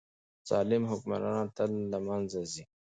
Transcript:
ظالم حکمرانان تل له منځه ځي.